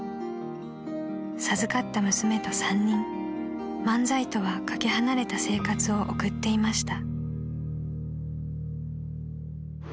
［授かった娘と三人漫才とは懸け離れた生活を送っていました］